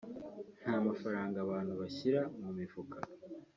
nta mafaranga abantu bashyira mu mifuka